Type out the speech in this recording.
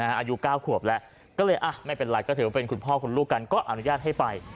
อายุ๙ขวบแล้วก็เลยไม่เป็นไรก็ถือว่าเป็นคุณพ่อคุณลูกกันก็อนุญาตให้ไป